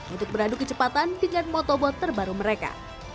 untuk beradu kecepatan dengan motor robot terbaru mereka